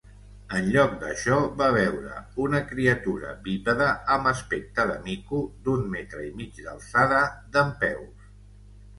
En lloc d'això, va veure una criatura bípede amb aspecte de mico, d'un metre i mig d'alçada, dempeus.